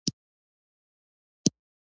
د واک انحصار او استبداد ته مخه کړې وه.